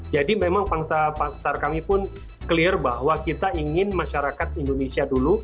jadi memang pangsa pangsa kami pun clear bahwa kita ingin masyarakat indonesia dulu